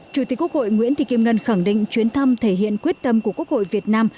chủ tịch quốc hội nguyễn thị kim ngân khẳng định chuyến thăm thể hiện quyết tâm của quốc hội việt nam